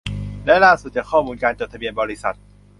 และล่าสุดจากข้อมูลการจดทะเบียนบริษัท